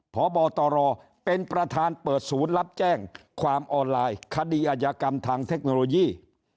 พบตรเป็นประธานเปิดศูนย์รับแจ้งความออนไลน์คดีอาญากรรมทางเทคโนโลยี